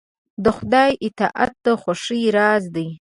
د خدای اطاعت د خوښۍ راز دی.